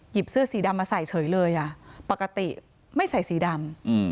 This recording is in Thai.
เสื้อสีดำมาใส่เฉยเลยอ่ะปกติไม่ใส่สีดำ